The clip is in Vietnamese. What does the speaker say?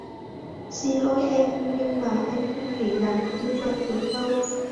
Xin lỗi em nhưng mà anh không thể làm như vậy được đâu